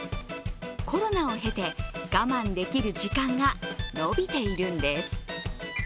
コロナを経て、我慢できる時間が延びているんです。